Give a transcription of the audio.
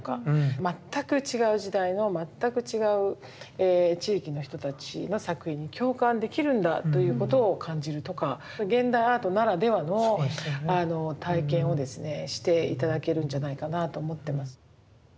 全く違う時代の全く違う地域の人たちの作品に共感できるんだということを感じるとか現代アートならではの体験をですねして頂けるんじゃないかなと思ってます。